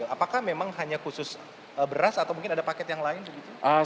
apakah memang hanya khusus beras atau mungkin ada paket yang lain begitu